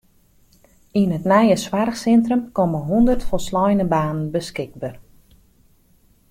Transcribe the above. Yn it nije soarchsintrum komme hûndert folsleine banen beskikber.